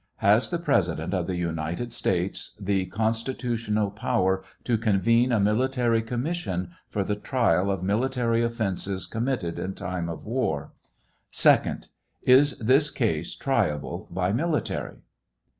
Has the President of the United States the constitu tional power to convene a military commission for the trial of military offences committed in time of war ? 2d. Is this case triable by military